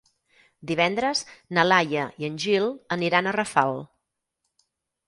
Divendres na Laia i en Gil aniran a Rafal.